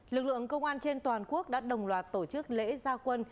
lực lượng công an trên toàn quốc đã đồng loạt tổ chức lễ gia quân